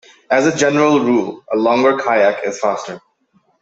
As a general rule, a longer kayak is faster.